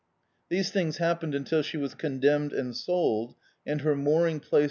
These things happened until she was condenmed and sold, and her mooring place to this [3l D,i.